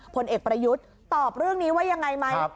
ผลเอกประยุทธ์ตอบเรื่องนี้ว่ายังไงไหม